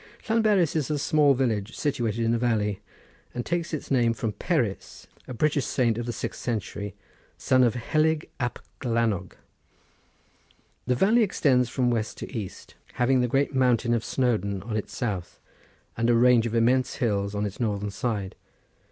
Llanberis is a small village situated in a valley, and takes its name from Peris, a British saint of the sixth century, son of Helig ab Glanog. The valley extends from west to east, having the great mountain of Snowdon on its south, and a range of immense hills on its northern, side.